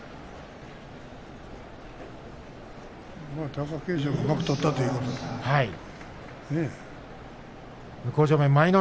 貴景勝がうまく取ったということですね。